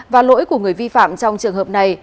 và lỗi của người vi phạm trong trường hợp này